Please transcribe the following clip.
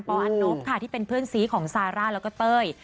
ปอันนกที่เป็นเพื่อนสีของซาร่าและแต๊ย